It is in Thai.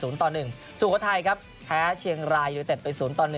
สุโขทัยครับแพ้เชียงรายยูนิเต็ดไป๐ต่อ๑